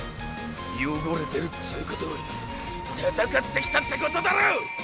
汚れてるっつうことは闘ってきたってことだろ！